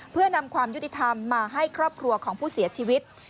เพื่อนำความยุติธรรมมาให้ครอบครัวของผู้เสียชีวิต